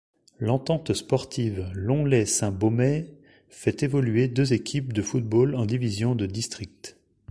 L'Entente sportive Lonlay-Saint-Bômer fait évoluer deux équipes de football en divisions de district.